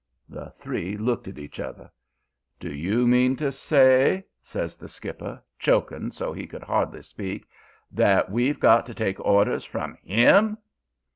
"The three looked at each other. "'Do you mean to say,' says the skipper, choking so he could hardly speak, 'that we've got to take orders from 'IM?'